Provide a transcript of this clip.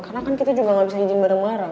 karena kan kita juga gak bisa izin bareng bareng